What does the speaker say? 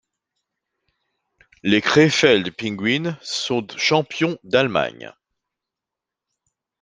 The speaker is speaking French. Les Krefeld Pinguine sont champions d'Allemagne.